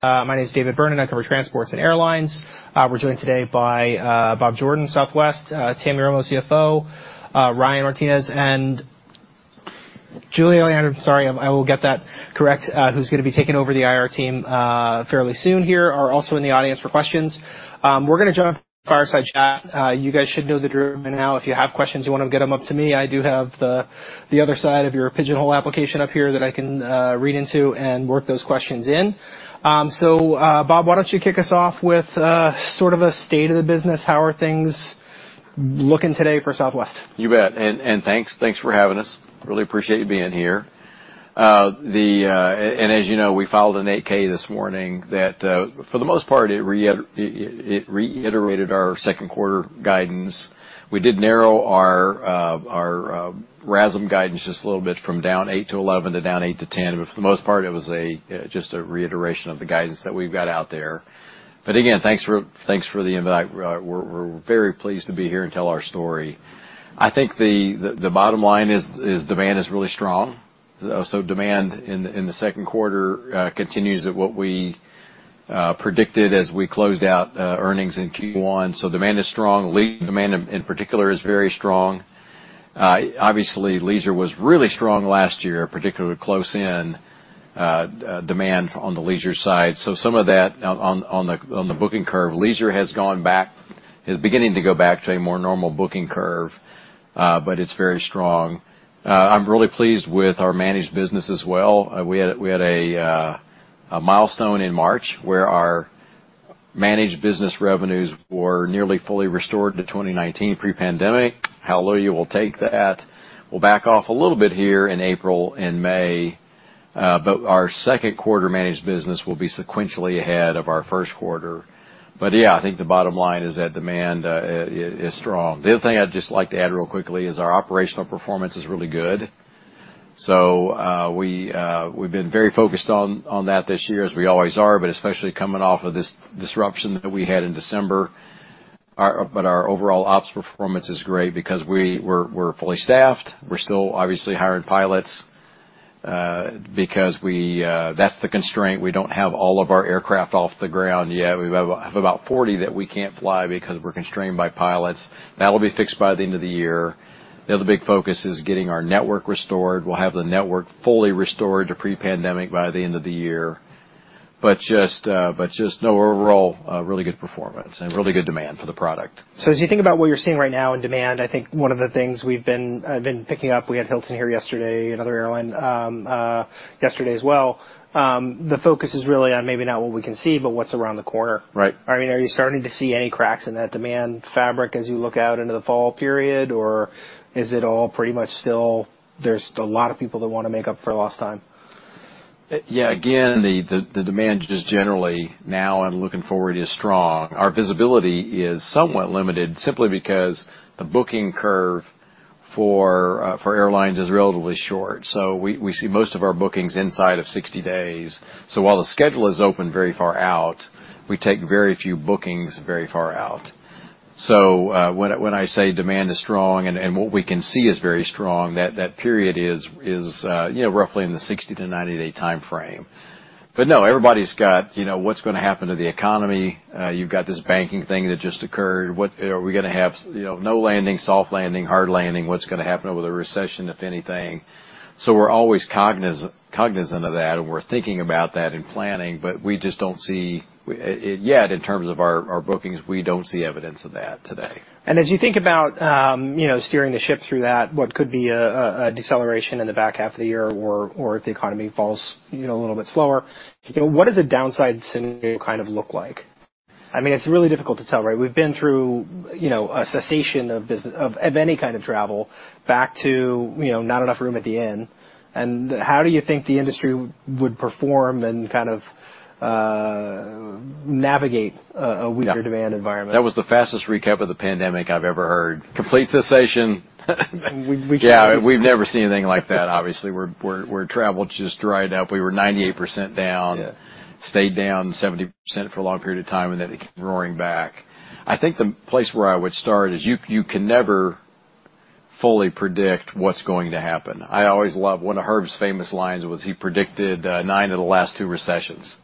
My name is David Vernon. I cover transports and airlines. We're joined today by Bob Jordan, Southwest, Tammy Romo, CFO, Ryan Martinez, and Julia Landrum. Sorry, I will get that correct, who's going to be taking over the IR team fairly soon here, are also in the audience for questions. We're going to jump fireside chat. You guys should know the drill by now. If you have questions, you want to get them up to me. I do have the other side of your pigeonhole application up here that I can read into and work those questions in. Bob, why don't you kick us off with sort of a state of the business? How are things looking today for Southwest? You bet. Thanks. Thanks for having us. Really appreciate being here. as you know, we filed an 8-K this morning that for the most part, it reiterated our second quarter guidance. We did narrow our RASM guidance just a little bit from down 8-11% to down 8-10%, for the most part, it was just a reiteration of the guidance that we've got out there. Again, thanks for the invite. We're very pleased to be here and tell our story. I think the bottom line is demand is really strong. demand in the second quarter continues at what we predicted as we closed out earnings in Q1. Demand is strong. Leisure demand, in particular, is very strong. Obviously, leisure was really strong last year, particularly close in, demand on the leisure side. Some of that on the booking curve, leisure is beginning to go back to a more normal booking curve, but it's very strong. I'm really pleased with our managed business as well. We had a milestone in March, where our managed business revenues were nearly fully restored to 2019 pre-pandemic. How low you will take that? We'll back off a little bit here in April and May, but our second quarter managed business will be sequentially ahead of our first quarter. Yeah, I think the bottom line is that demand is strong. The other thing I'd just like to add real quickly is our operational performance is really good. We've been very focused on that this year, as we always are, but especially coming off of this disruption that we had in December. Our overall ops performance is great because we're fully staffed. We're still obviously hiring pilots, because that's the constraint. We don't have all of our aircraft off the ground yet. We have about 40 that we can't fly because we're constrained by pilots. That'll be fixed by the end of the year. The other big focus is getting our network restored. We'll have the network fully restored to pre-pandemic by the end of the year, just know overall, a really good performance and really good demand for the product. As you think about what you're seeing right now in demand, I think one of the things I've been picking up, we had Hilton here yesterday, another airline, yesterday as well. The focus is really on maybe not what we can see, but what's around the corner. Right. I mean, are you starting to see any cracks in that demand fabric as you look out into the fall period, or is it all pretty much still, there's a lot of people that want to make up for lost time? Yeah. Again, the demand just generally now and looking forward is strong. Our visibility is somewhat limited simply because the booking curve for airlines is relatively short. We see most of our bookings inside of 60 days. While the schedule is open very far out, we take very few bookings very far out. When I say demand is strong and what we can see is very strong, that period is, you know, roughly in the 60 to 90-day time frame. No, everybody's got, you know, what's going to happen to the economy. You've got this banking thing that just occurred. Are we gonna have, you know, no landing, soft landing, hard landing? What's gonna happen with a recession, if anything? We're always cognizant of that, and we're thinking about that in planning, but we just don't see yet, in terms of our bookings, we don't see evidence of that today. As you think about, you know, steering the ship through that, what could be a deceleration in the back half of the year or if the economy falls, you know, a little bit slower, what does a downside scenario kind of look like? I mean, it's really difficult to tell, right? We've been through a cessation of any kind of travel back to, you know, not enough room at the inn. How do you think the industry would perform and kind of navigate a weaker demand environment? That was the fastest recap of the pandemic I've ever heard. Complete cessation. We, we- Yeah, we've never seen anything like that. Obviously, where travel just dried up. We were 98% down. Yeah. Stayed down 70% for a long period of time, and then it came roaring back. I think the place where I would start is you can never fully predict what's going to happen. I always love One of Herb's famous lines was he predicted nine of the last two recessions. You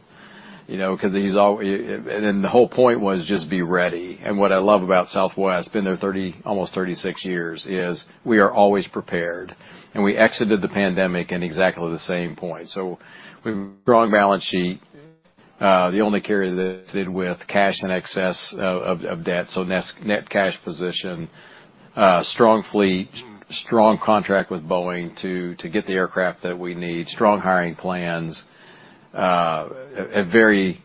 know, because he's and then the whole point was just be ready. What I love about Southwest, been there 30, almost 36 years, is we are always prepared, and we exited the pandemic in exactly the same point. We've a strong balance sheet, the only carrier that did with cash and excess of debt, so net cash position, strong fleet, strong contract with Boeing to get the aircraft that we need, strong hiring plans, a very,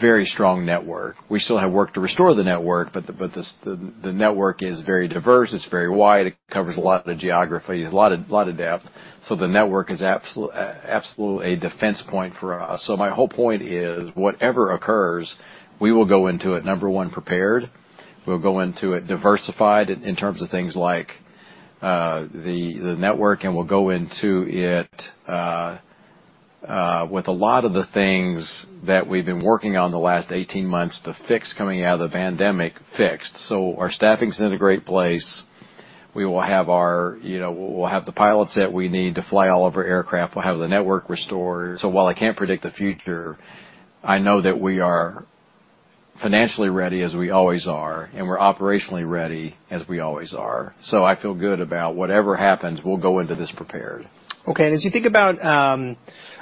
very strong network. We still have work to restore the network, but the network is very diverse, it's very wide, it covers a lot of the geography, a lot of depth. The network is absolutely a defense point for us. My whole point is, whatever occurs, we will go into it, number one, prepared. We'll go into it diversified in terms of things like the network, and we'll go into it with a lot of the things that we've been working on the last 18 months, the fix coming out of the pandemic fixed. Our staffing's in a great place. We will have our, you know, we'll have the pilots that we need to fly all of our aircraft. We'll have the network restored. While I can't predict the future, I know that we are financially ready, as we always are, and we're operationally ready, as we always are. I feel good about whatever happens, we'll go into this prepared. Okay. As you think about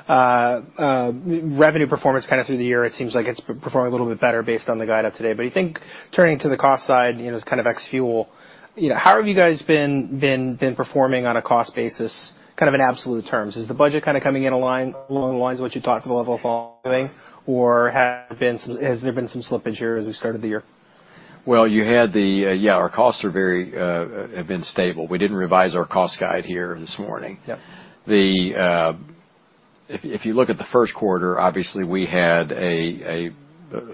revenue performance kind of through the year, it seems like it's performing a little bit better based on the guide up today. You think turning to the cost side, you know, as kind of ex fuel, you know, how have you guys been performing on a cost basis, kind of in absolute terms? Is the budget kind of coming in, along the lines of what you talked about the level of following? Has there been some slippage here as we started the year? Well, you had the. Yeah, our costs are very, have been stable. We didn't revise our cost guide here this morning. Yep. If you look at the first quarter, obviously we had a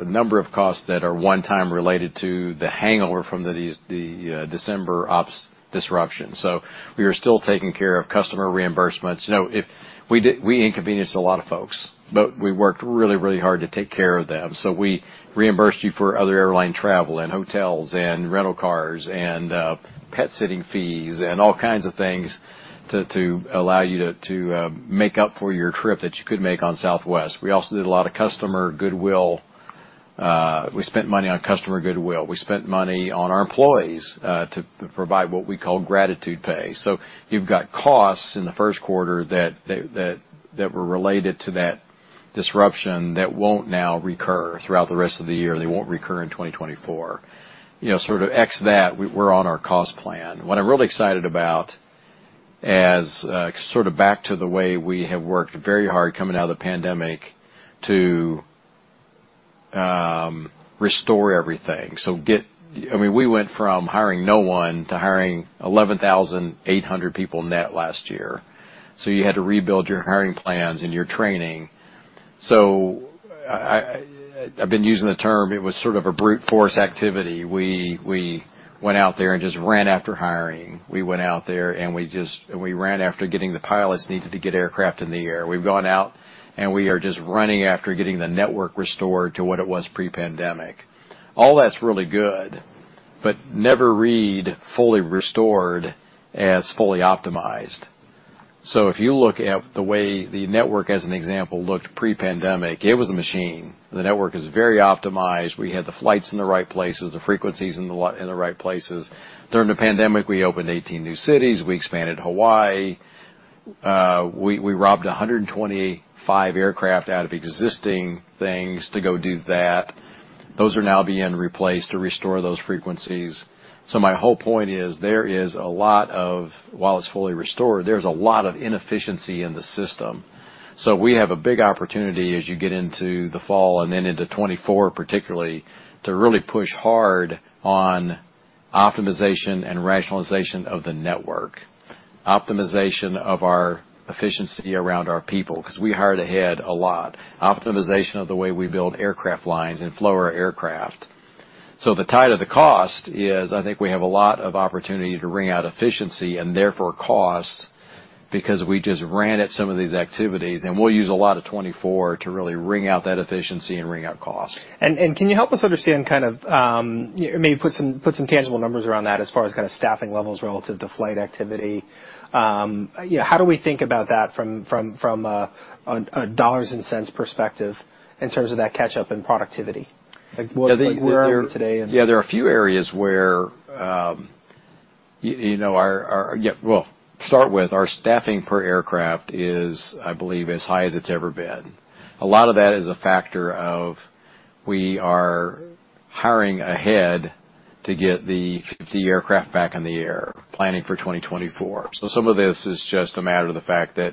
number of costs that are one time related to the hangover from these, the December ops disruption. We are still taking care of customer reimbursements. You know, if we inconvenienced a lot of folks, but we worked really, really hard to take care of them. We reimbursed you for other airline travel, and hotels, and rental cars, and pet sitting fees, and all kinds of things to allow you to make up for your trip that you couldn't make on Southwest. We also did a lot of customer goodwill. We spent money on customer goodwill. We spent money on our employees to provide what we call gratitude pay. You've got costs in the first quarter that were related to that disruption that won't now recur throughout the rest of the year. They won't recur in 2024. You know, sort of ex that, we're on our cost plan. What I'm really excited about as sort of back to the way we have worked very hard coming out of the pandemic to restore everything. I mean, we went from hiring no one to hiring 11,800 people net last year. You had to rebuild your hiring plans and your training. I've been using the term, it was sort of a brute force activity. We went out there and just ran after hiring. We went out there, and we just ran after getting the pilots needed to get aircraft in the air. We've gone out, and we are just running after getting the network restored to what it was pre-pandemic. All that's really good, but never read fully restored as fully optimized. If you look at the way the network, as an example, looked pre-pandemic, it was a machine. The network is very optimized. We had the flights in the right places, the frequencies in the right places. During the pandemic, we opened 18 new cities. We expanded Hawaii. We robbed 125 aircraft out of existing things to go do that. Those are now being replaced to restore those frequencies. My whole point is, While it's fully restored, there's a lot of inefficiency in the system. We have a big opportunity as you get into the fall and then into 2024, particularly, to really push hard on optimization and rationalization of the network, optimization of our efficiency around our people, because we hired ahead a lot, optimization of the way we build aircraft lines and flow our aircraft. The tide of the cost is, I think we have a lot of opportunity to wring out efficiency and therefore costs, because we just ran at some of these activities, and we'll use a lot of 2024 to really wring out that efficiency and wring out costs. Can you help us understand kind of, maybe put some tangible numbers around that as far as kind of staffing levels relative to flight activity? How do we think about that from a dollars and cents perspective in terms of that catch up in productivity? Like, where are we today. There are a few areas where, you know, our staffing per aircraft is, I believe, as high as it's ever been. A lot of that is a factor of we are hiring ahead to get the 50 aircraft back in the air, planning for 2024. Some of this is just a matter of the fact that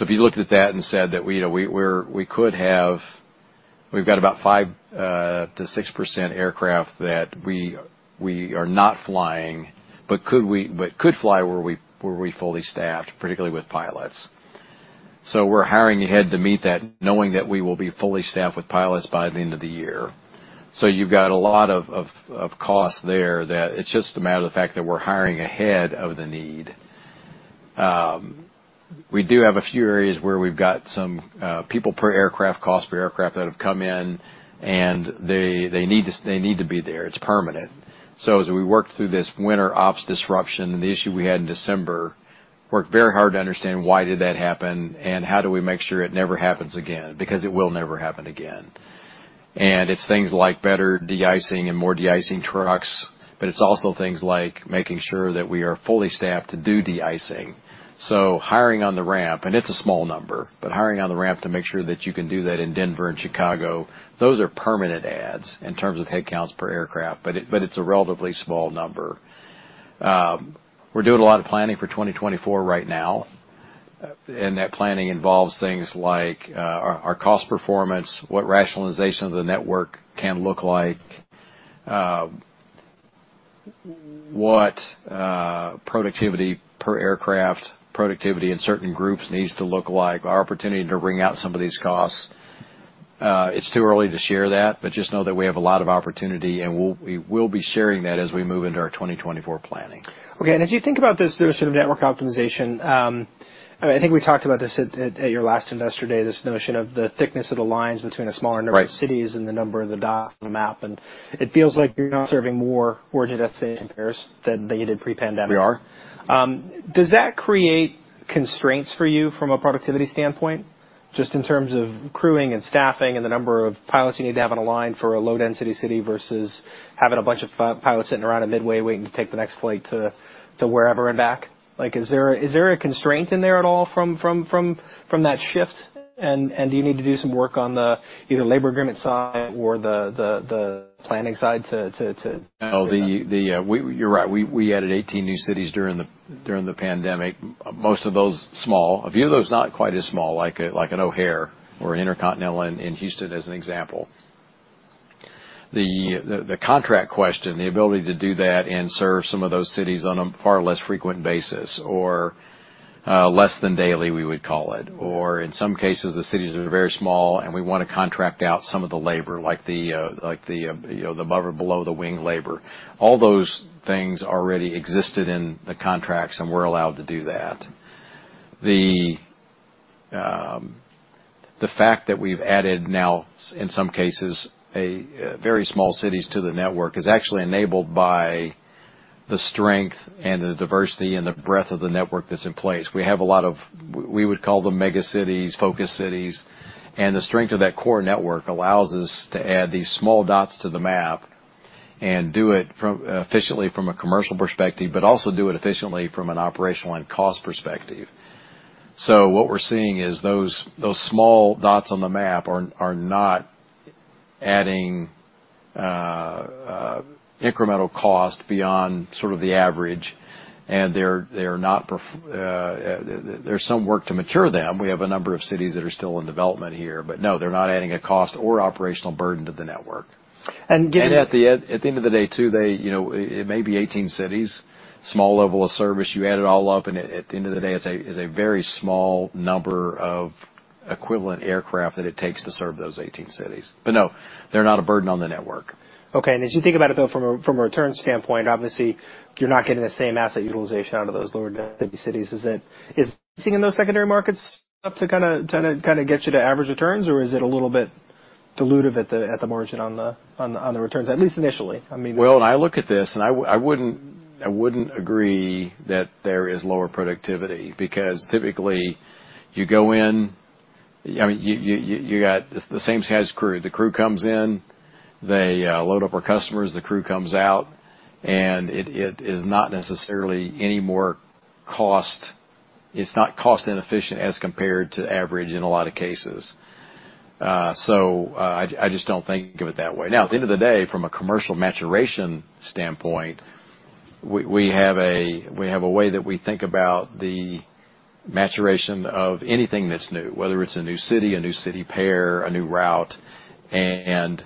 if you looked at that and said that, we, you know, we've got about 5%-6% aircraft that we are not flying, but could fly were we fully staffed, particularly with pilots. We're hiring ahead to meet that, knowing that we will be fully staffed with pilots by the end of the year. You've got a lot of costs there that it's just a matter of the fact that we're hiring ahead of the need. We do have a few areas where we've got some people per aircraft, cost per aircraft, that have come in, and they need to be there. It's permanent. As we worked through this winter ops disruption and the issue we had in December, worked very hard to understand why did that happen and how do we make sure it never happens again, because it will never happen again. It's things like better de-icing and more de-icing trucks, but it's also things like making sure that we are fully staffed to do de-icing. Hiring on the ramp, and it's a small number, but hiring on the ramp to make sure that you can do that in Denver and Chicago, those are permanent adds in terms of headcounts per aircraft, but it's a relatively small number. We're doing a lot of planning for 2024 right now, and that planning involves things like our cost performance, what rationalization of the network can look like, what productivity per aircraft, productivity in certain groups needs to look like, our opportunity to wring out some of these costs. It's too early to share that, but just know that we have a lot of opportunity, and we will be sharing that as we move into our 2024 planning. Okay. as you think about this, the sort of network optimization, I think we talked about this at your last Investor Day, this notion of the thickness of the lines between a smaller number- Right - of cities and the number of the dots on the map, and it feels like you're now serving more origin destination pairs than you did pre-pandemic. We are. Does that create constraints for you from a productivity standpoint, just in terms of crewing and staffing and the number of pilots you need to have on a line for a low-density city versus having a bunch of pilots sitting around at Midway waiting to take the next flight to wherever and back? Like, is there a constraint in there at all from that shift? Do you need to do some work on the either labor agreement side or the planning side? No, the, you're right. We added 18 new cities during the pandemic, most of those small. A few of those not quite as small, like an O'Hare or an Intercontinental in Houston, as an example. The contract question, the ability to do that and serve some of those cities on a far less frequent basis or less than daily, we would call it. Or in some cases, the cities are very small, and we want to contract out some of the labor, like the, you know, the above or below the wing labor. All those things already existed in the contracts, and we're allowed to do that. The fact that we've added now, in some cases, a very small cities to the network, is actually enabled by the strength and the diversity and the breadth of the network that's in place. We have a lot of, we would call them mega cities, focus cities, and the strength of that core network allows us to add these small dots to the map and do it efficiently from a commercial perspective, but also do it efficiently from an operational and cost perspective. What we're seeing is those small dots on the map are not adding incremental cost beyond sort of the average, and they're, there's some work to mature them. We have a number of cities that are still in development here, but no, they're not adding a cost or operational burden to the network. And given- At the end of the day, too, they, you know, it may be 18 cities, small level of service. You add it all up, at the end of the day, it's a very small number of equivalent aircraft that it takes to serve those 18 cities. No, they're not a burden on the network. Okay. As you think about it, though, from a return standpoint, obviously, you're not getting the same asset utilization out of those lower-density cities. Is seeing in those secondary markets up to kinda get you to average returns, or is it a little bit dilutive at the margin on the returns, at least initially? I mean- Well, when I look at this, and I wouldn't agree that there is lower productivity, because typically, you go in... I mean, you got the same size crew. The crew comes in, they load up our customers, the crew comes out, and it is not necessarily any more cost, it's not cost inefficient as compared to average in a lot of cases. I just don't think of it that way. At the end of the day, from a commercial maturation standpoint, we have a way that we think about the maturation of anything that's new, whether it's a new city, a new city pair, a new route, and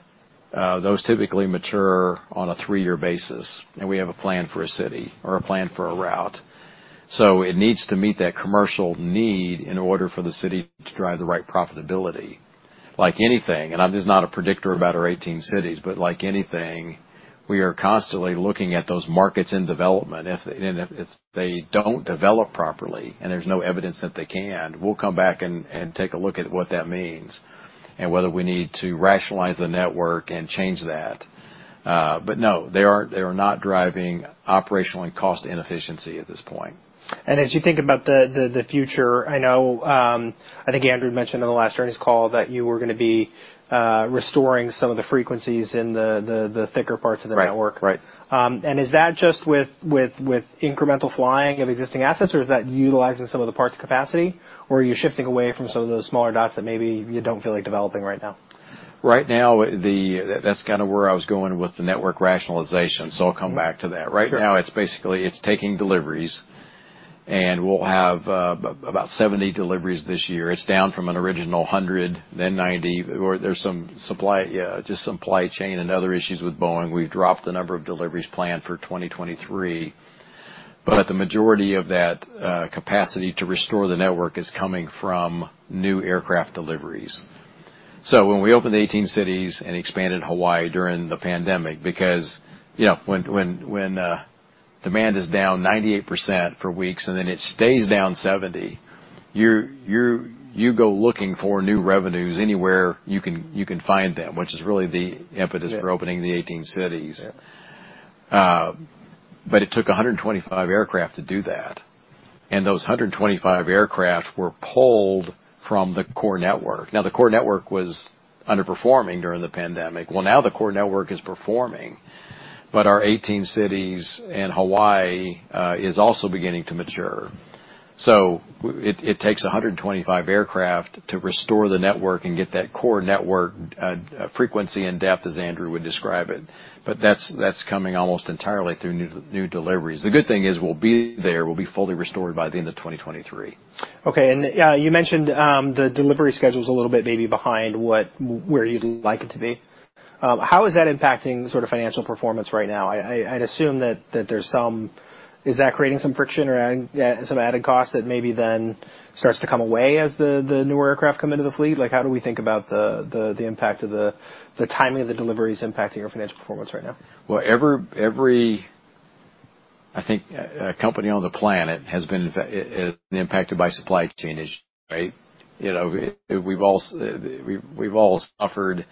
those typically mature on a three-year basis, and we have a plan for a city or a plan for a route. It needs to meet that commercial need in order for the city to drive the right profitability. Like anything, and I'm just not a predictor about our 18 cities, but like anything, we are constantly looking at those markets in development. If they don't develop properly and there's no evidence that they can, we'll come back and take a look at what that means and whether we need to rationalize the network and change that. No, they aren't, they are not driving operational and cost inefficiency at this point. As you think about the future, I know, I think Andrew mentioned in the last earnings call that you were gonna be restoring some of the frequencies in the thicker parts of the network. Right. Right. Is that just with incremental flying of existing assets, or is that utilizing some of the parts capacity? Or are you shifting away from some of those smaller dots that maybe you don't feel like developing right now? Right now, that's kind of where I was going with the network rationalization. I'll come back to that. Sure. Right now, it's basically, it's taking deliveries, and we'll have about 70 deliveries this year. It's down from an original 100, then 90. There's some supply, just supply chain and other issues with Boeing. We've dropped the number of deliveries planned for 2023, but the majority of that capacity to restore the network is coming from new aircraft deliveries. When we opened 18 cities and expanded Hawaii during the pandemic, because, you know, when demand is down 98% for weeks, and then it stays down 70%, you go looking for new revenues anywhere you can find them, which is really the impetus- Yeah -for opening the 18 cities. Yeah. It took 125 aircraft to do that, and those 125 aircraft were pulled from the core network. The core network was underperforming during the pandemic. Now the core network is performing, but our 18 cities and Hawaii is also beginning to mature. It takes 125 aircraft to restore the network and get that core network frequency and depth, as Andrew would describe it. That's coming almost entirely through new deliveries. The good thing is, we'll be there. We'll be fully restored by the end of 2023. Okay. You mentioned the delivery schedule's a little bit maybe behind where you'd like it to be. How is that impacting sort of financial performance right now? Is that creating some friction or some added cost that maybe then starts to come away as the newer aircraft come into the fleet? Like, how do we think about the impact of the timing of the deliveries impacting your financial performance right now? Well, every, I think, company on the planet has been impacted by supply chain issues, right? You know, we've all suffered.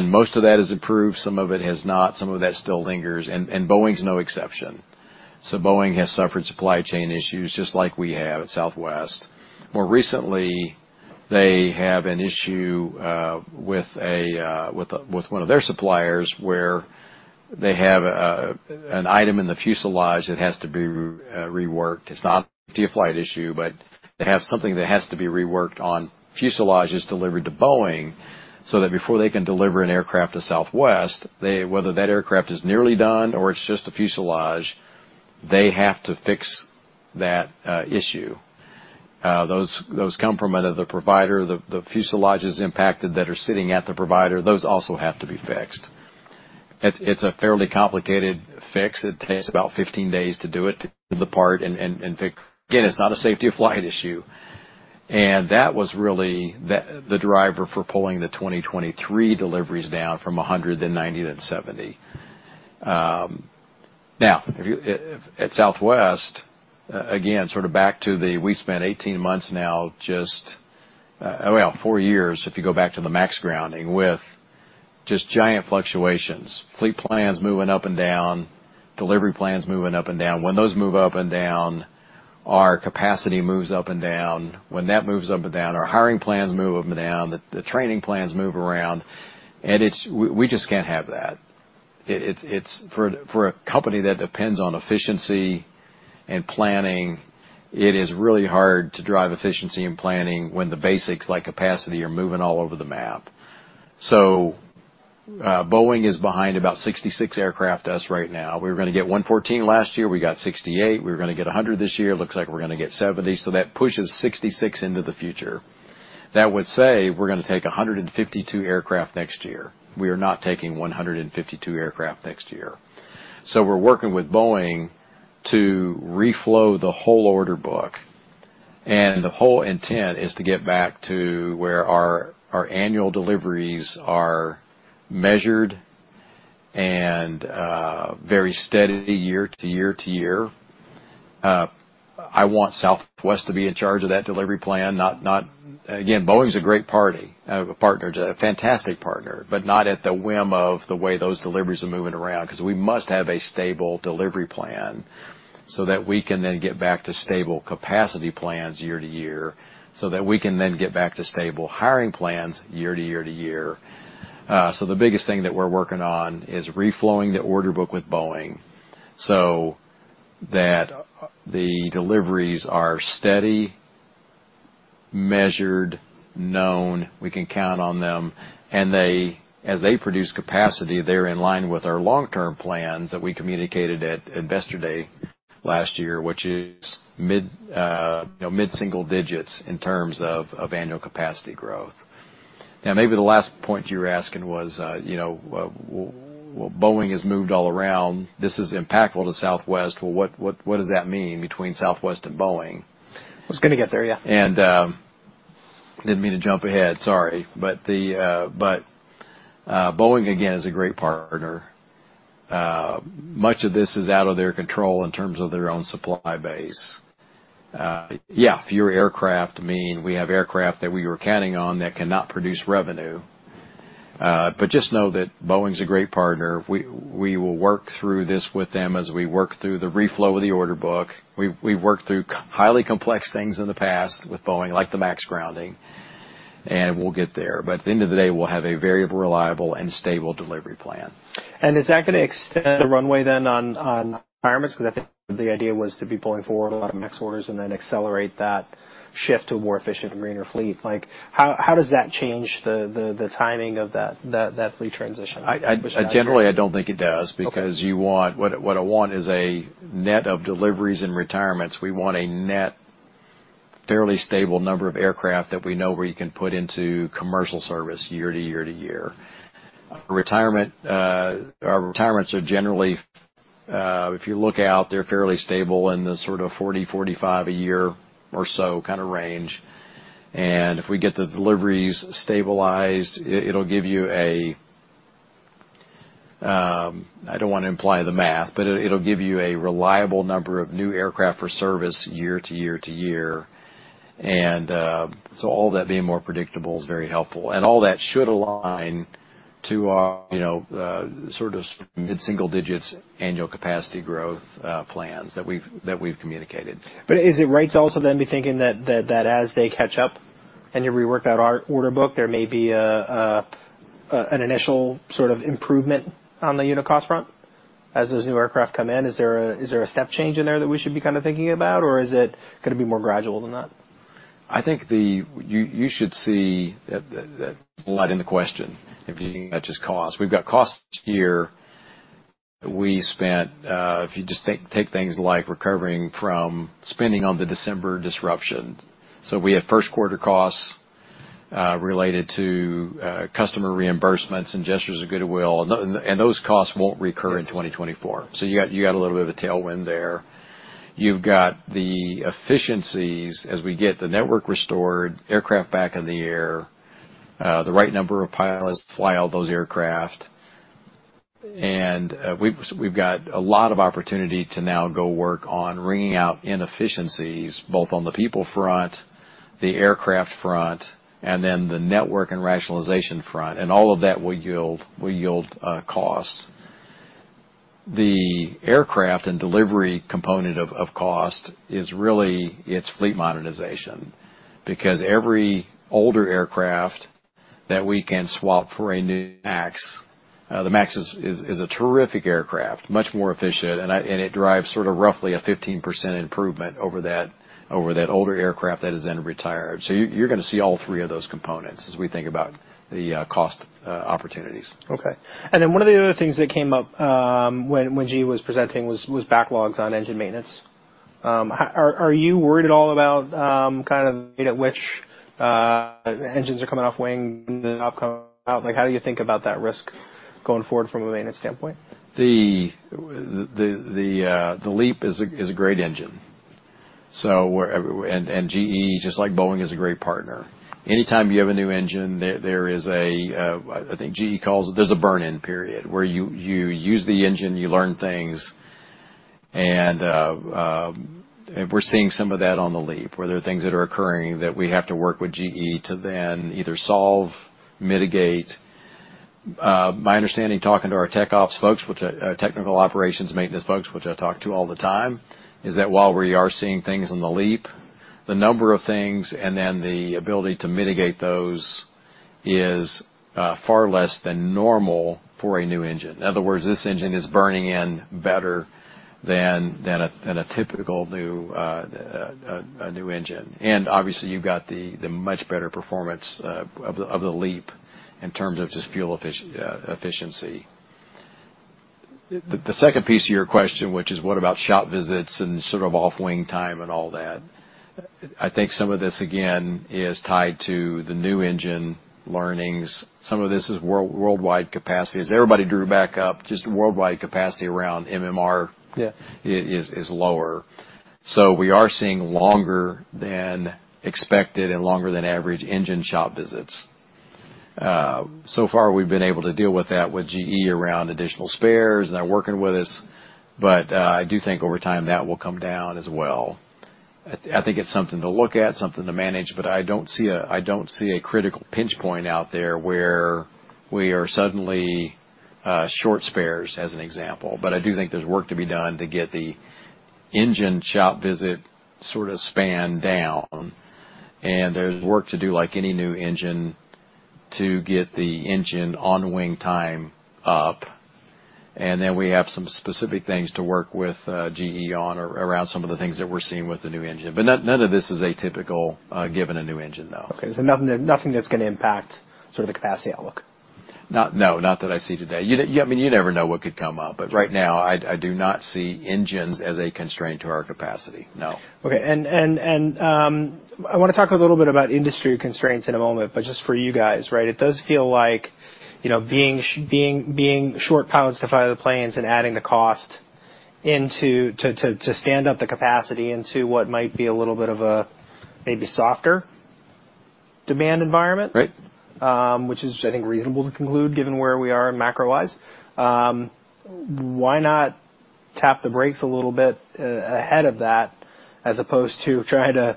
Most of that is approved, some of it has not, some of that still lingers, and Boeing's no exception. Boeing has suffered supply chain issues just like we have at Southwest. More recently, they have an issue with a with one of their suppliers, where they have an item in the fuselage that has to be reworked. It's not a flight issue, but they have something that has to be reworked on fuselages delivered to Boeing, so that before they can deliver an aircraft to Southwest, whether that aircraft is nearly done or it's just a fuselage, they have to fix that issue. Those come from another provider. The fuselages impacted that are sitting at the provider, those also have to be fixed. It's a fairly complicated fix. It takes about 15 days to do it, to the part and fix. Again, it's not a safety of flight issue, and that was really the driver for pulling the 2023 deliveries down from 100 to 90 to 70. Now, if you at Southwest, again, sort of back to the we spent 18 months now just, well, four years, if you go back to the MAX grounding, with just giant fluctuations, fleet plans moving up and down, delivery plans moving up and down. When those move up and down, our capacity moves up and down. When that moves up and down, our hiring plans move up and down, the training plans move around, we just can't have that. For a company that depends on efficiency and planning, it is really hard to drive efficiency and planning when the basics, like capacity, are moving all over the map. Boeing is behind about 66 aircraft to us right now. We were gonna get 114 last year, we got 68. We were gonna get 100 this year, looks like we're gonna get 70, that pushes 66 into the future. That would say we're gonna take 152 aircraft next year. We are not taking 152 aircraft next year. we're working with Boeing to reflow the whole order book, and the whole intent is to get back to where our annual deliveries are measured and very steady year to year to year. I want Southwest to be in charge of that delivery plan. Again, Boeing's a great party, partner, a fantastic partner, but not at the whim of the way those deliveries are moving around, 'cause we must have a stable delivery plan, so that we can then get back to stable capacity plans year to year, so that we can then get back to stable hiring plans year to year to year. The biggest thing that we're working on is reflowing the order book with Boeing, so that the deliveries are steady, measured, known, we can count on them, and they, as they produce capacity, they're in line with our long-term plans that we communicated at Investor Day last year, which is mid, you know, mid-single digits in terms of annual capacity growth. Maybe the last point you were asking was, you know, well, Boeing has moved all around. This is impactful to Southwest. What does that mean between Southwest and Boeing? I was gonna get there, yeah. Didn't mean to jump ahead, sorry. The Boeing, again, is a great partner. Much of this is out of their control in terms of their own supply base. Yeah, fewer aircraft mean we have aircraft that we were counting on that cannot produce revenue. Just know that Boeing's a great partner. We will work through this with them as we work through the reflow of the order book. We've worked through highly complex things in the past with Boeing, like the MAX grounding, and we'll get there. At the end of the day, we'll have a very reliable and stable delivery plan. Is that gonna extend the runway then, on requirements? Because I think the idea was to be pulling forward a lot of MAX orders and then accelerate that shift to a more efficient and greener fleet. Like, how does that change the timing of that fleet transition? I generally, I don't think it does... Okay. because what I want is a net of deliveries and retirements. We want a net, fairly stable number of aircraft that we know we can put into commercial service year to year to year. Retirement, our retirements are generally, if you look out, they're fairly stable in the sort of 40, 45 a year or so kind of range, and if we get the deliveries stabilized, it'll give you a, I don't want to imply the math, but it'll give you a reliable number of new aircraft for service year to year to year. So all that being more predictable is very helpful, and all that should align to, you know, sort of mid-single digits annual capacity growth plans that we've communicated. Is it right to also then be thinking that as they catch up and you rework out our order book, there may be an initial sort of improvement on the unit cost front as those new aircraft come in? Is there a step change in there that we should be kind of thinking about, or is it gonna be more gradual than that? I think You should see a lot in the question if you're thinking about just cost. We've got costs this year. We spent if you just take things like recovering from spending on the December disruption. We had first quarter costs related to customer reimbursements and gestures of goodwill, and those costs won't recur in 2024. You got a little bit of a tailwind there. You've got the efficiencies as we get the network restored, aircraft back in the air, the right number of pilots to fly all those aircraft. We've got a lot of opportunity to now go work on wringing out inefficiencies, both on the people front, the aircraft front, and then the network and rationalization front, and all of that will yield costs. The aircraft and delivery component of cost is really, it's fleet monetization, because every older aircraft that we can swap for a new MAX, the MAX is a terrific aircraft, much more efficient, and it drives sort of roughly a 15% improvement over that older aircraft that is then retired. You're gonna see all three of those components as we think about the cost opportunities. One of the other things that came up when GE was presenting was backlogs on engine maintenance. Are you worried at all about kind of the rate at which engines are coming off wing and then upcoming out? Like, how do you think about that risk going forward from a maintenance standpoint? The LEAP is a great engine. GE, just like Boeing, is a great partner. Anytime you have a new engine, there is a, I think GE calls it, there's a burn-in period, where you use the engine, you learn things, and we're seeing some of that on the LEAP, where there are things that are occurring that we have to work with GE to then either solve, mitigate. My understanding, talking to our tech ops folks, which technical operations maintenance folks, which I talk to all the time, is that while we are seeing things in the LEAP, the number of things, and then the ability to mitigate those is far less than normal for a new engine. In other words, this engine is burning in better than a typical new, a new engine. Obviously, you've got the much better performance of the LEAP in terms of just fuel efficiency. The second piece of your question, which is what about shop visits and sort of off-wing time and all that, I think some of this, again, is tied to the new engine learnings. Some of this is worldwide capacity. As everybody drew back up, just worldwide capacity around MRO- Yeah. is lower. We are seeing longer than expected and longer than average engine shop visits. So far, we've been able to deal with that with GE around additional spares, and they're working with us, but I do think over time, that will come down as well. I think it's something to look at, something to manage, but I don't see a, I don't see a critical pinch point out there where we are suddenly short spares, as an example. I do think there's work to be done to get the engine shop visit sort of spanned down, and there's work to do, like any new engine, to get the engine on wing time up. Then we have some specific things to work with GE on around some of the things that we're seeing with the new engine. None of this is atypical, given a new engine, though. Okay, nothing that's gonna impact sort of the capacity outlook? No, not that I see today. You, I mean, you never know what could come up, but right now, I do not see engines as a constraint to our capacity, no. Okay, I wanna talk a little bit about industry constraints in a moment, but just for you guys, right? It does feel like, you know, being short pilots to fly the planes and adding the cost into to stand up the capacity into what might be a little bit of a maybe softer demand environment. Right. Which is, I think, reasonable to conclude, given where we are macro-wise. Why not tap the brakes a little bit ahead of that, as opposed to trying to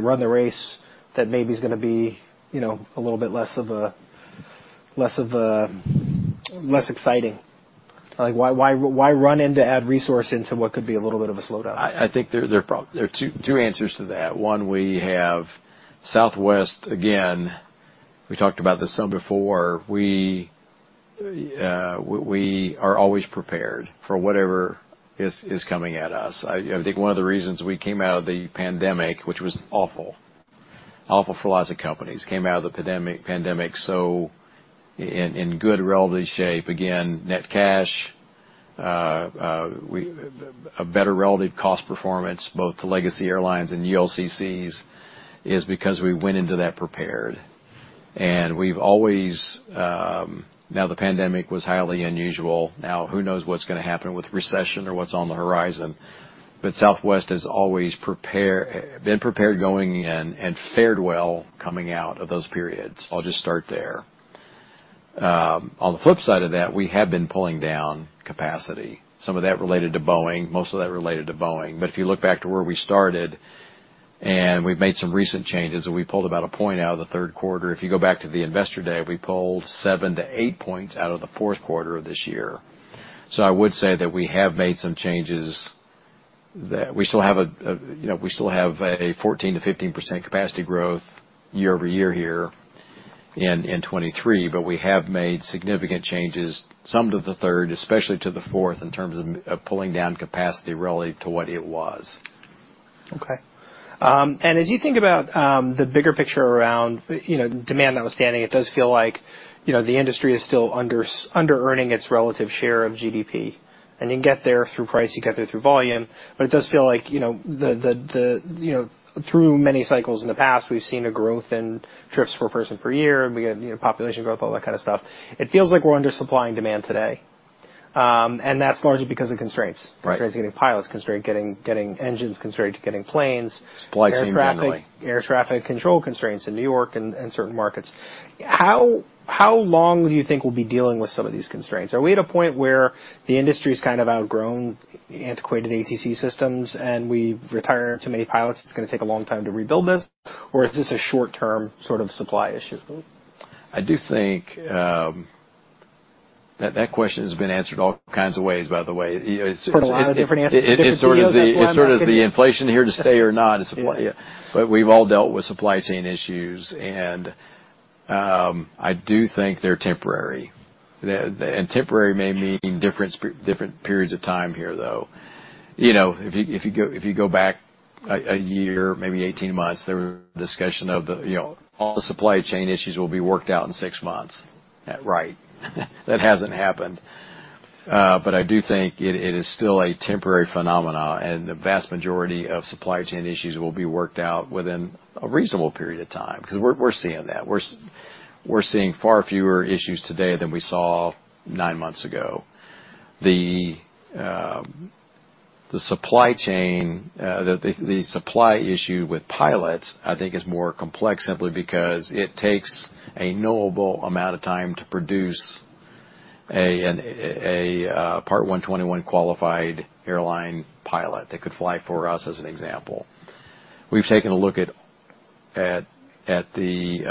run the race that maybe is gonna be, you know, a little bit less of a less exciting? Like, why run in to add resource into what could be a little bit of a slowdown? I think there are two answers to that. One, we have Southwest, again, we talked about this some before. We are always prepared for whatever is coming at us. I think one of the reasons we came out of the pandemic, which was awful for lots of companies, came out of the pandemic so, in good relative shape. Again, net cash, we... A better relative cost performance, both to legacy airlines and ULCCs, is because we went into that prepared. We've always... The pandemic was highly unusual. Who knows what's gonna happen with recession or what's on the horizon? Southwest has always been prepared going in and fared well coming out of those periods. I'll just start there. On the flip side of that, we have been pulling down capacity. Some of that related to Boeing, most of that related to Boeing. If you look back to where we started, and we've made some recent changes, and we pulled about one point out of the third quarter. If you go back to the Investor Day, we pulled seven to eight points out of the fourth quarter of this year. I would say that we have made some changes, that we still have a, you know, we still have a 14%-15% capacity growth year-over-year here in 2023, but we have made significant changes, some to the third, especially to the fourth, in terms of pulling down capacity relative to what it was. Okay. As you think about the bigger picture around, you know, demand notwithstanding, it does feel like, you know, the industry is still under-earning its relative share of GDP. You get there through price, you get there through volume, but it does feel like, you know, the, you know, through many cycles in the past, we've seen a growth in trips per person per year, and we got, you know, population growth, all that kind of stuff. It feels like we're under-supplying demand today. That's largely because of constraints. Right. Constraints getting pilots, constraint getting engines, constraint to getting planes. Supply chain generally. Air traffic, air traffic control constraints in New York and certain markets. How long do you think we'll be dealing with some of these constraints? Are we at a point where the industry's kind of outgrown antiquated ATC systems, and we've retired too many pilots, it's gonna take a long time to rebuild this? Is this a short-term sort of supply issue? I do think, that question has been answered all kinds of ways, by the way. A lot of different answers. It's sort of the inflation here to stay or not, and supply, yeah. We've all dealt with supply chain issues, and I do think they're temporary. Temporary may mean different periods of time here, though. You know, if you go back a year, maybe 18 months, there was discussion of the, you know, all the supply chain issues will be worked out in six months. Right. That hasn't happened. I do think it is still a temporary phenomenon, and the vast majority of supply chain issues will be worked out within a reasonable period of time, 'cause we're seeing that. We're seeing far fewer issues today than we saw nine months ago. The supply chain, the supply issue with pilots, I think is more complex simply because it takes a knowable amount of time to produce a Part 121 qualified airline pilot that could fly for us, as an example. We've taken a look at the,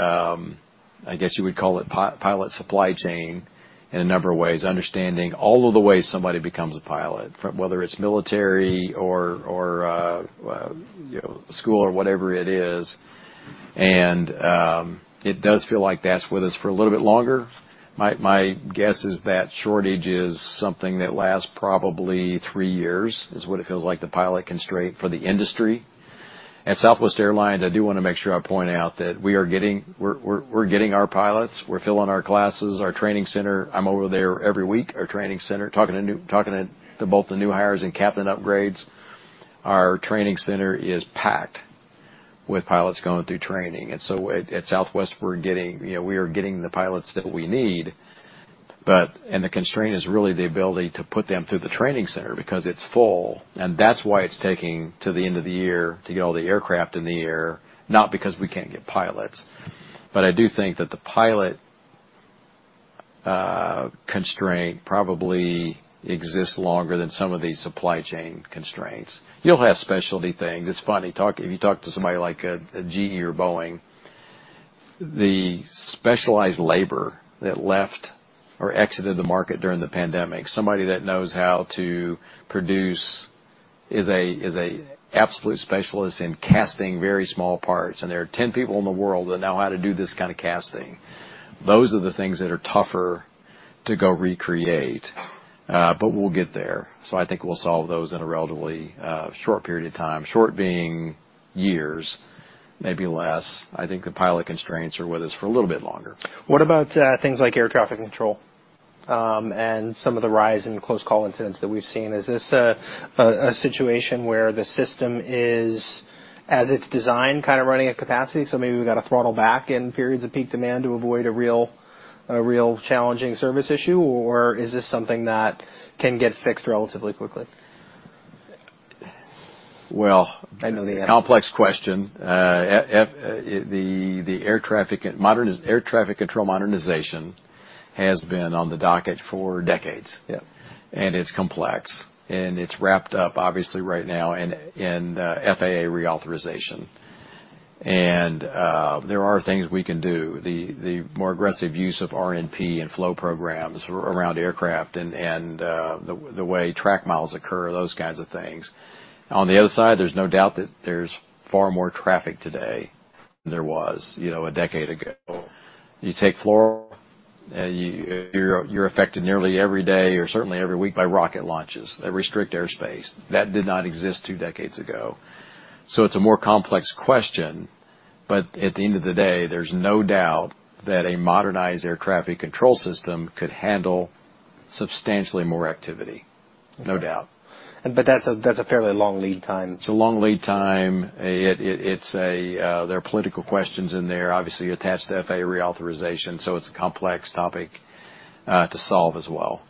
I guess you would call it pilot supply chain in a number of ways, understanding all of the ways somebody becomes a pilot, from whether it's military or, you know, school or whatever it is. It does feel like that's with us for a little bit longer. My guess is that shortage is something that lasts probably three years, is what it feels like, the pilot constraint for the industry. At Southwest Airlines, I do wanna make sure I point out that we are getting... We're getting our pilots. We're filling our classes, our training center. I'm over there every week, our training center, talking to both the new hires and captain upgrades. Our training center is packed with pilots going through training. At Southwest, we're getting, you know, we are getting the pilots that we need, but the constraint is really the ability to put them through the training center because it's full, and that's why it's taking to the end of the year to get all the aircraft in the air, not because we can't get pilots. I do think that the pilot constraint probably exists longer than some of the supply chain constraints. You'll have specialty things. It's funny, if you talk to somebody like a GE or Boeing, the specialized labor that left or exited the market during the pandemic, somebody that knows how to produce, is a absolute specialist in casting very small parts, and there are 10 people in the world that know how to do this kind of casting. Those are the things that are tougher to go recreate, we'll get there. I think we'll solve those in a relatively short period of time. Short being years, maybe less. I think the pilot constraints are with us for a little bit longer. What about things like air traffic control, and some of the rise in close call incidents that we've seen? Is this a situation where the system is, as it's designed, kind of running at capacity, so maybe we've got to throttle back in periods of peak demand to avoid a real challenging service issue, or is this something that can get fixed relatively quickly? Well- I know the answer. Complex question. air traffic control modernization has been on the docket for decades. Yeah. It's complex, and it's wrapped up, obviously, right now in FAA reauthorization. There are things we can do. The more aggressive use of RNP and flow programs around aircraft and the way track miles occur, those kinds of things. On the other side, there's no doubt that there's far more traffic today than there was, you know, a decade ago. You take Florida, you're affected nearly every day or certainly every week by rocket launches that restrict airspace. That did not exist two decades ago. It's a more complex question, but at the end of the day, there's no doubt that a modernized air traffic control system could handle substantially more activity. No doubt. That's a fairly long lead time. It's a long lead time. It's a. There are political questions in there, obviously, attached to FAA reauthorization, so it's a complex topic, to solve as well.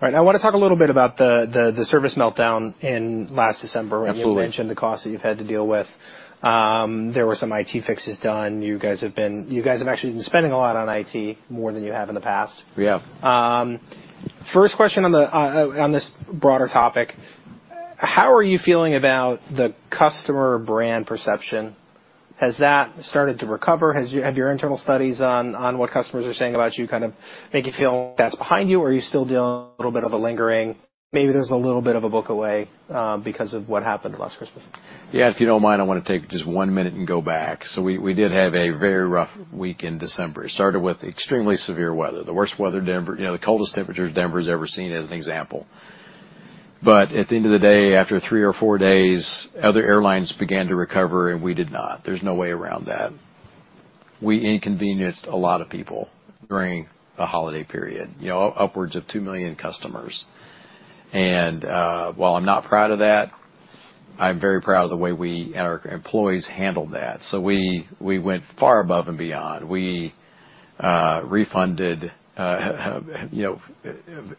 Right. I wanna talk a little bit about the service meltdown in last December- Absolutely. When you mentioned the cost that you've had to deal with. There were some IT fixes done. You guys have actually been spending a lot on IT, more than you have in the past. We have. First question on the on this broader topic: How are you feeling about the customer brand perception? Has that started to recover? Have your internal studies on what customers are saying about you kind of make you feel that's behind you, or are you still dealing with a little bit of a lingering, maybe there's a little bit of a book away, because of what happened last Christmas? Yeah, if you don't mind, I want to take just one minute and go back. We did have a very rough week in December. It started with extremely severe weather, the worst weather. You know, the coldest temperatures Denver's ever seen, as an example. At the end of the day, after three or four days, other airlines began to recover, and we did not. There's no way around that. We inconvenienced a lot of people during the holiday period, you know, upwards of two million customers. While I'm not proud of that, I'm very proud of the way we and our employees handled that. We went far above and beyond. We refunded, you know,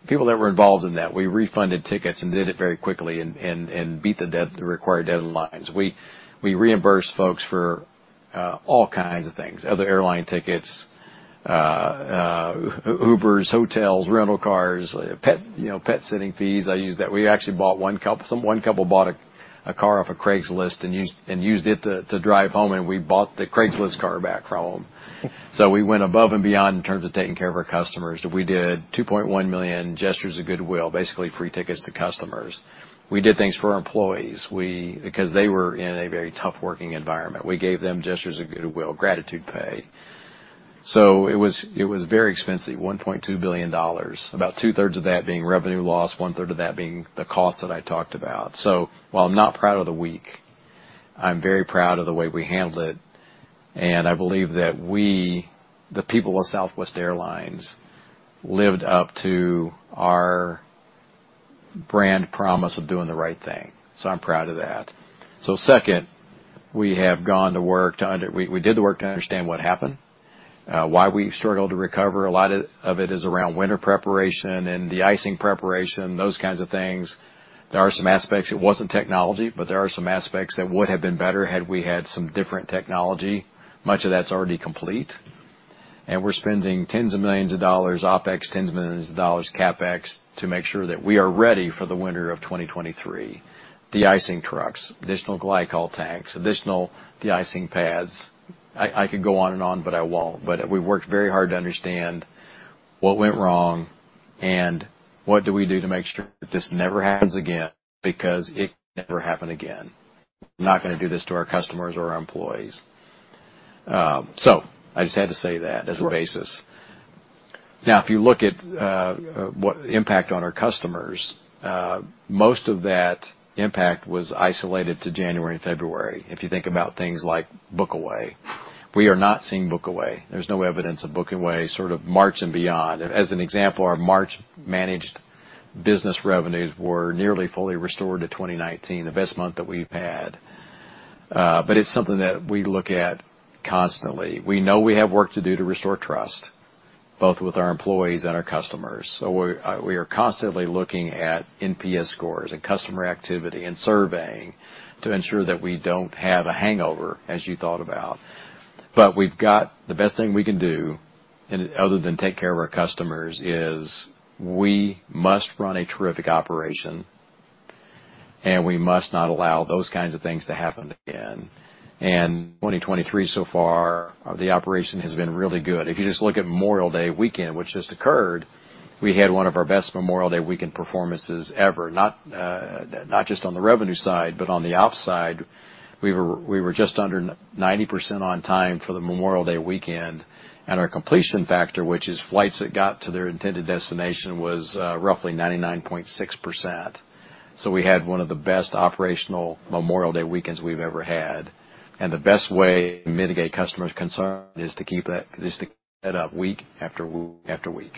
people that were involved in that, we refunded tickets and did it very quickly and beat the required deadlines. We reimbursed folks for all kinds of things, other airline tickets, Ubers, hotels, rental cars, pet, you know, pet sitting fees. I use that. We actually bought one couple bought a car off of Craigslist and used it to drive home, and we bought the Craigslist car back from them. We went above and beyond in terms of taking care of our customers. We did $2.1 million gestures of goodwill, basically free tickets to customers. We did things for our employees. Because they were in a very tough working environment, we gave them gestures of goodwill, gratitude pay. It was very expensive, $1.2 billion, about two-thirds of that being revenue loss, one-third of that being the cost that I talked about. While I'm not proud of the week, I'm very proud of the way we handled it, and I believe that we, the people of Southwest Airlines, lived up to our brand promise of doing the right thing. I'm proud of that. Second, we have gone to work to understand what happened, why we struggled to recover. A lot of it is around winter preparation and the deicing preparation, those kinds of things. There are some aspects, it wasn't technology, but there are some aspects that would have been better had we had some different technology. Much of that's already complete, and we're spending tens of millions of dollars, OpEx, tens of millions of dollars, CapEx, to make sure that we are ready for the winter of 2023. Deicing trucks, additional glycol tanks, additional deicing pads. I could go on and on, but I won't. We've worked very hard to understand what went wrong and what do we do to make sure that this never happens again, because it can never happen again. Not gonna do this to our customers or our employees. I just had to say that as a basis. Now, if you look at what impact on our customers, most of that impact was isolated to January and February. If you think about things like book away, we are not seeing book away. There's no evidence of book away, sort of March and beyond. As an example, our March managed business revenues were nearly fully restored to 2019, the best month that we've had. It's something that we look at constantly. We know we have work to do to restore trust, both with our employees and our customers. We are constantly looking at NPS scores and customer activity and surveying to ensure that we don't have a hangover, as you thought about. The best thing we can do, and other than take care of our customers, is we must run a terrific operation, and we must not allow those kinds of things to happen again. 2023, so far, the operation has been really good. If you just look at Memorial Day weekend, which just occurred, we had one of our best Memorial Day weekend performances ever, not just on the revenue side, but on the ops side. We were just under 90% on time for the Memorial Day weekend. Our completion factor, which is flights that got to their intended destination, was roughly 99.6%. We had one of the best operational Memorial Day weekends we've ever had. The best way to mitigate customers' concern is to keep that up week after week after week.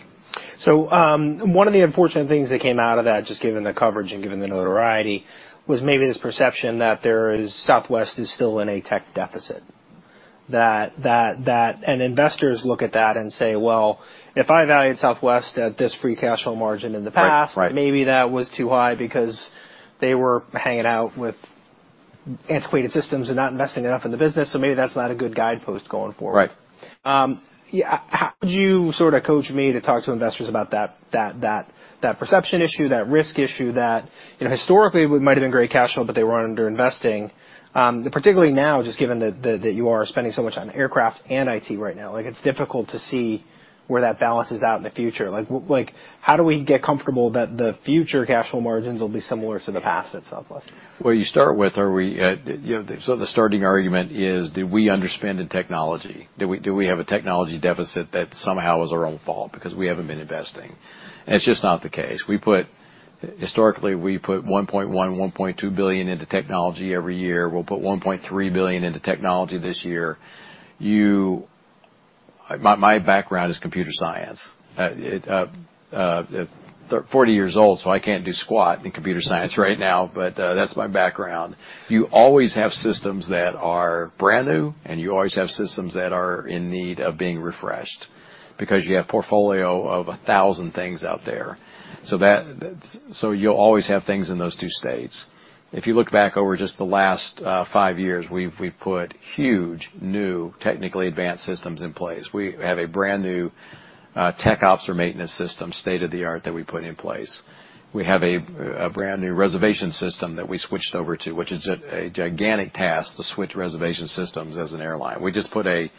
One of the unfortunate things that came out of that, just given the coverage and given the notoriety, was maybe this perception that Southwest is still in a tech deficit. That, investors look at that and say, "Well, if I valued Southwest at this free cash flow margin in the past- Right. maybe that was too high because they were hanging out with antiquated systems and not investing enough in the business, so maybe that's not a good guidepost going forward. Right. Yeah, how would you sort of coach me to talk to investors about that perception issue, that risk issue, that, you know, historically, we might have been great cash flow, but they were underinvesting? Particularly now, just given that you are spending so much on aircraft and IT right now, like, it's difficult to see where that balances out in the future. Like, how do we get comfortable that the future cash flow margins will be similar to the past at Southwest? You start with, are we, you know, the starting argument is, did we underspend in technology? Do we have a technology deficit that somehow is our own fault because we haven't been investing? It's just not the case. Historically, we put $1.1 billion-$1.2 billion into technology every year. We'll put $1.3 billion into technology this year. My background is computer science. 40 years old, I can't do squat in computer science right now, that's my background. You always have systems that are brand new, you always have systems that are in need of being refreshed because you have portfolio of 1,000 things out there. You'll always have things in those two states. If you look back over just the last five years, we've put huge, new, technically advanced systems in place. We have a brand-new tech ops or maintenance system, state-of-the-art, that we put in place. We have a brand-new reservation system that we switched over to, which is a gigantic task to switch reservation systems as an airline. We just put a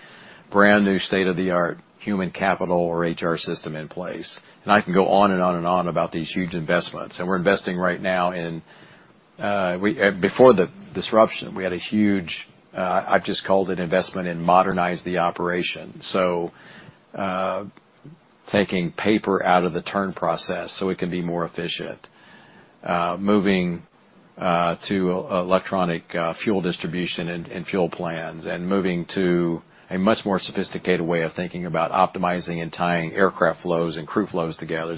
brand-new, state-of-the-art human capital or HR system in place, and I can go on and on and on about these huge investments. We're investing right now in, before the disruption, we had a huge, I've just called it investment in modernize the operation. Taking paper out of the turn process so we can be more efficient. Moving to electronic fuel distribution and fuel plans, and moving to a much more sophisticated way of thinking about optimizing and tying aircraft flows and crew flows together.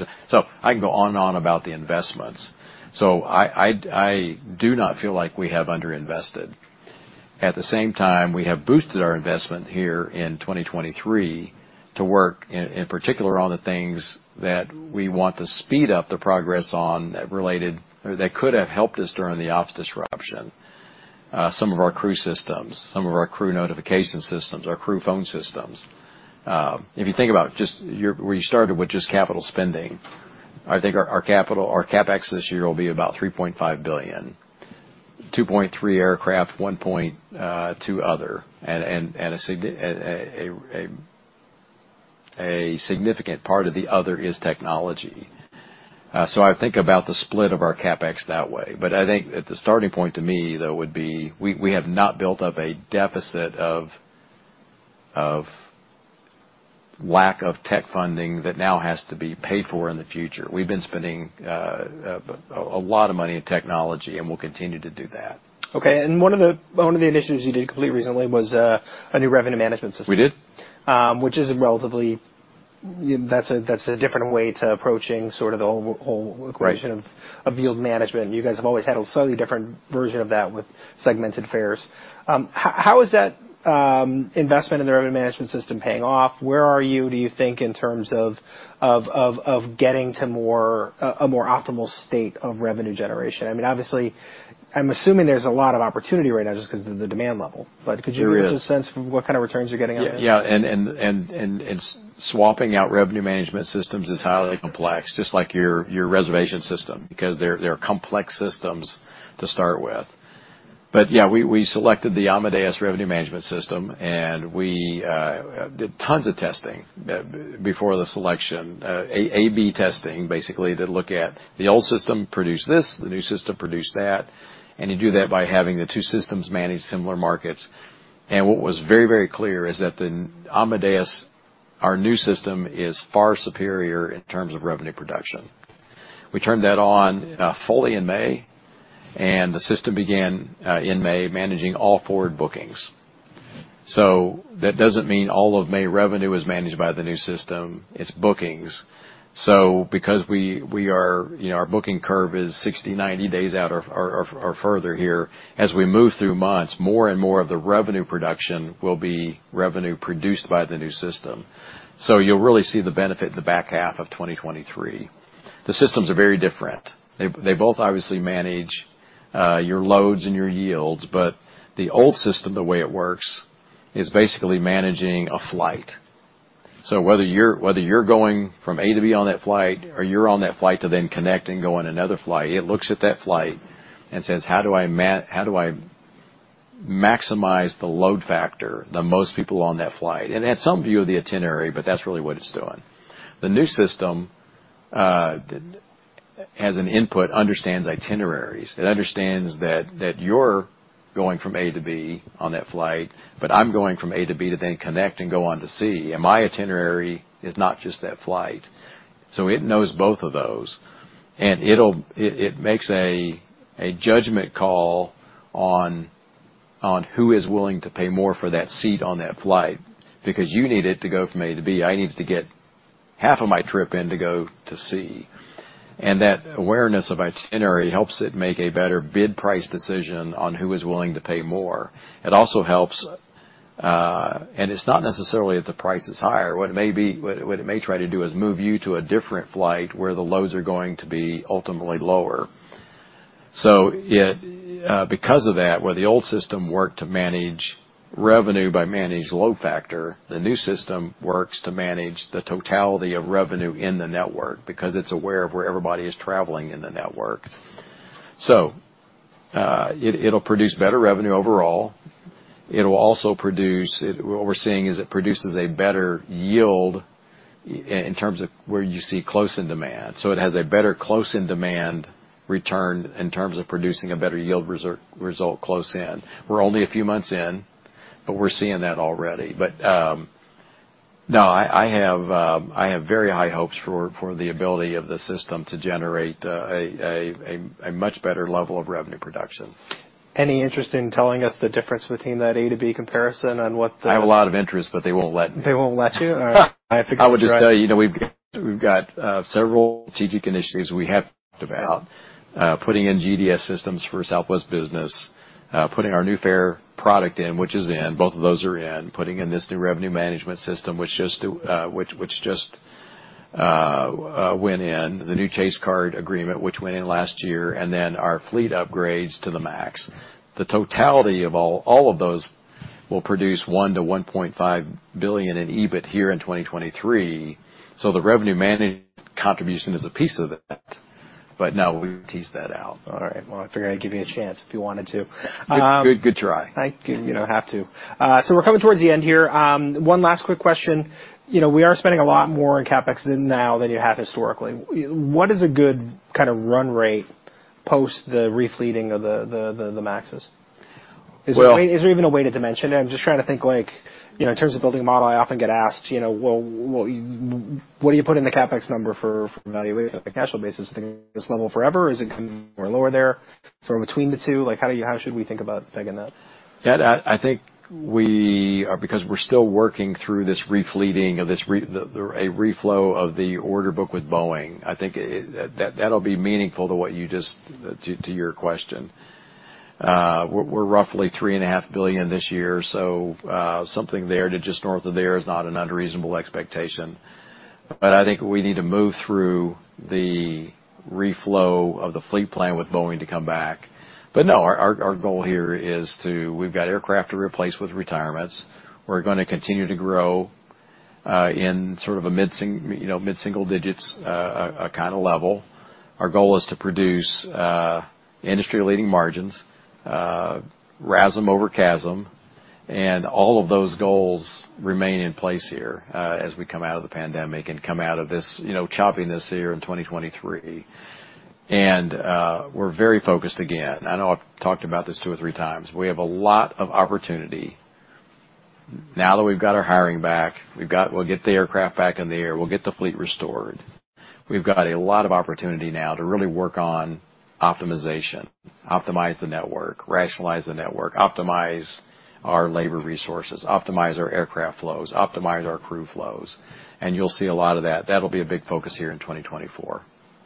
I can go on and on about the investments. I do not feel like we have underinvested. At the same time, we have boosted our investment here in 2023 to work, in particular, on the things that we want to speed up the progress on that could have helped us during the ops disruption. Some of our crew systems, some of our crew notification systems, our crew phone systems. If you think about just your, where you started with just capital spending, I think our CapEx this year will be about $3.5 billion, $2.3 aircraft, $1.2 other, and a significant part of the other is technology. I think about the split of our CapEx that way. I think at the starting point to me, though, would be we have not built up a deficit of lack of tech funding that now has to be paid for in the future. We've been spending a lot of money in technology, we'll continue to do that. Okay, one of the initiatives you did complete recently was a new revenue management system. We did. That's a different way to approaching sort of the whole. Right equation of yield management. You guys have always had a slightly different version of that with segmented fares. How is that investment in the revenue management system paying off? Where are you, do you think, in terms of getting to more a more optimal state of revenue generation? I mean, obviously, I'm assuming there's a lot of opportunity right now just because of the demand level. There is. Could you give us a sense of what kind of returns you're getting on it? Yeah, swapping out revenue management systems is highly complex, just like your reservation system, because they're complex systems to start with. Yeah, we selected the Amadeus Revenue Management system, and we did tons of testing before the selection. A/B testing, basically, to look at the old system, produce this, the new system, produce that, and you do that by having the two systems manage similar markets. What was very clear is that the Amadeus, our new system, is far superior in terms of revenue production. We turned that on fully in May, and the system began in May, managing all forward bookings. That doesn't mean all of May revenue is managed by the new system. It's bookings. Because we are, you know, our booking curve is 60, 90 days out or further here, as we move through months, more and more of the revenue production will be revenue produced by the new system. You'll really see the benefit in the back half of 2023. The systems are very different. They both obviously manage your loads and your yields, but the old system, the way it works, is basically managing a flight. Whether you're going from A to B on that flight or you're on that flight to then connect and go on another flight, it looks at that flight and says: How do I maximize the load factor, the most people on that flight? It had some view of the itinerary, but that's really what it's doing. The new system has an input, understands itineraries. It understands that you're going from A to B on that flight, but I'm going from A to B to then connect and go on to C, and my itinerary is not just that flight. It knows both of those, and it makes a judgment call on who is willing to pay more for that seat on that flight because you need it to go from A to B. I need it to get half of my trip in to go to C. That awareness of itinerary helps it make a better bid price decision on who is willing to pay more. It also helps, and it's not necessarily that the price is higher. What it may be, what it may try to do is move you to a different flight where the loads are going to be ultimately lower. It because of that, where the old system worked to manage revenue by managed load factor, the new system works to manage the totality of revenue in the network because it's aware of where everybody is traveling in the network. It'll produce better revenue overall. What we're seeing is it produces a better yield in terms of where you see close-in demand. It has a better close-in demand return in terms of producing a better yield result close in. We're only a few months in, we're seeing that already. No, I have, I have very high hopes for the ability of the system to generate a much better level of revenue production. Any interest in telling us the difference between that A to B comparison on what? I have a lot of interest, but they won't let me. They won't let you? All right. I figured. I would just tell you know, we've got several strategic initiatives we have talked about. Putting in GDS systems for Southwest Business, putting our new fare product in, which is in, both of those are in, putting in this new revenue management system, which just went in, the new Chase card agreement, which went in last year, and then our fleet upgrades to the MAX. The totality of all of those will produce $1 billion-$1.5 billion in EBIT here in 2023, so the revenue management contribution is a piece of that. No, we won't tease that out. All right. Well, I figured I'd give you a chance if you wanted to. Good try. Thank you. You don't have to. We're coming towards the end here. One last quick question. You know, we are spending a lot more on CapEx than now than you have historically. What is a good kind of run rate post the refleeting of the MAXes? Well- Is there even a way to dimension it? I'm just trying to think, like, you know, in terms of building a model, I often get asked, you know, well, what do you put in the CapEx number for valuation on a cash flow basis? Is it this level forever, or is it more lower there, sort of between the two? Like, how should we think about taking that? Yeah, I think we are. Because we're still working through this refleeting of the reflow of the order book with Boeing. I think that'll be meaningful to what you just to your question. We're roughly $3.5 billion this year, so something there to just north of there is not an unreasonable expectation. I think we need to move through the reflow of the fleet plan with Boeing to come back. No, our goal here is to. We've got aircraft to replace with retirements. We're gonna continue to grow in sort of a mid-single digits kind of level. Our goal is to produce industry-leading margins, RASM over CASM, and all of those goals remain in place here as we come out of the pandemic and come out of this, you know, choppiness here in 2023. We're very focused, again, I know I've talked about this two or three times. We have a lot of opportunity. Now that we've got our hiring back, We'll get the aircraft back in the air, we'll get the fleet restored. We've got a lot of opportunity now to really work on optimization, optimize the network, rationalize the network, optimize our labor resources, optimize our aircraft flows, optimize our crew flows, and you'll see a lot of that. That'll be a big focus here in 2024.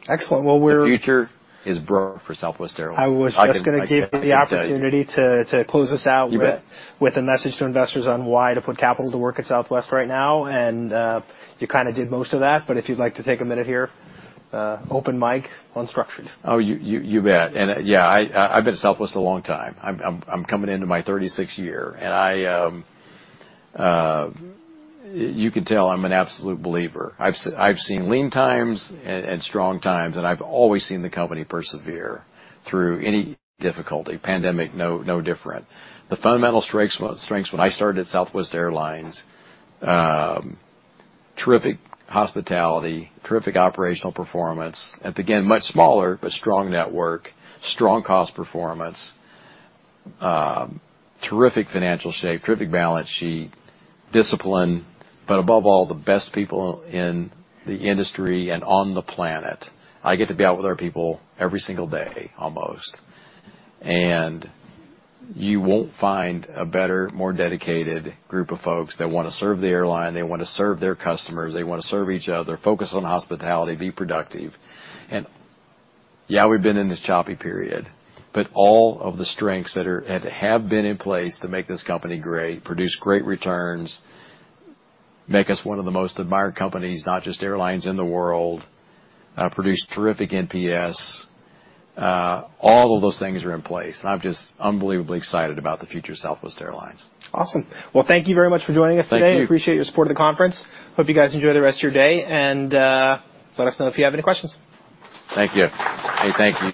Excellent. Well, The future is bright for Southwest Airlines. I was just gonna give you the opportunity to close us out. You bet. With a message to investors on why to put capital to work at Southwest right now, you kind of did most of that, but if you'd like to take a minute here, open mic, unstructured. Oh, you bet. Yeah, I've been at Southwest a long time. I'm coming into my 36th year. I, you can tell I'm an absolute believer. I've seen lean times and strong times. I've always seen the company persevere through any difficulty. Pandemic, no different. The fundamental strengths when I started at Southwest Airlines, terrific hospitality, terrific operational performance, and again, much smaller, but strong network, strong cost performance, terrific financial shape, terrific balance sheet, discipline, but above all, the best people in the industry and on the planet. I get to be out with our people every single day, almost. You won't find a better, more dedicated group of folks that wanna serve the airline, they want to serve their customers, they wanna serve each other, focus on hospitality, be productive. Yeah, we've been in this choppy period, but all of the strengths that are, and have been in place to make this company great, produce great returns, make us one of the most admired companies, not just airlines in the world, produce terrific NPS. All of those things are in place, and I'm just unbelievably excited about the future of Southwest Airlines. Awesome. Well, thank you very much for joining us today. Thank you. We appreciate your support of the conference. Hope you guys enjoy the rest of your day. Let us know if you have any questions. Thank you. Hey, thank you.